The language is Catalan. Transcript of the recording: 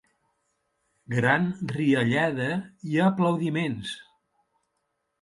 Gran riallada i aplaudiments.